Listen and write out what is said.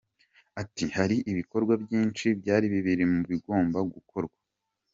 Ati : “Hari ibikorwa byinshi byari biri mu bigomba gukorwa.